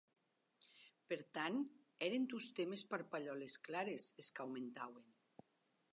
Per tant, èren tostemp es parpalhòles clares es qu'aumentauen.